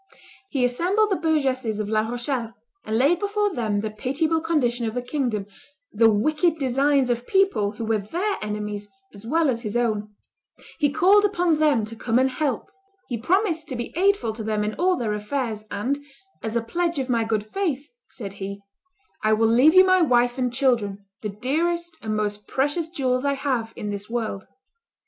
He assembled the burgesses of La Rochelle, and laid before them the pitiable condition of the kingdom, the wicked designs of people who were their enemies as well as his own: he called upon them to come and help; he promised to be aidful to them in all their affairs, and, "as a pledge of my good faith," said he, "I will leave you my wife and children, the dearest and most precious jewels I have in this world."